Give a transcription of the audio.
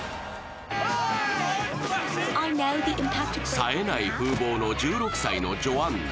さえない風貌の１６歳のジョアンナ。